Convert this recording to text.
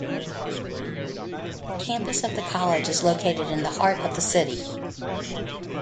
The campus of the college is located in the heart of the city.